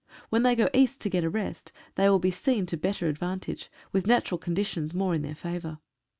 When they go east to get a rest they will be seen to better advantage, with natural conditions more in their favour.